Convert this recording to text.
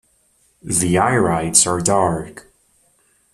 The irides are dark.